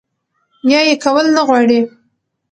يا ئې کول نۀ غواړي